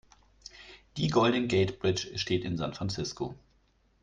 Die Golden Gate Bridge steht in San Francisco.